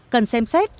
cần xem xét